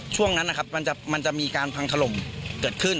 ช่วงนั้นนะครับมันจะมีการพังถล่มเกิดขึ้น